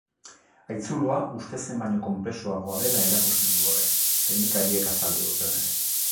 Haitzuloa uste zen baino konplexuagoa dela erakusten du horrek, teknikariek azaldu dutenez.